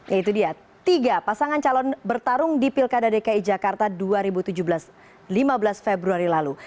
ya itu dia tiga pasangan calon bertarung di pilkada dki jakarta dua ribu tujuh belas lima belas februari lalu